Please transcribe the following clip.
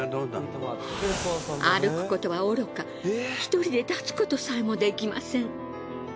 歩くことはおろか一人で立つことさえもできません。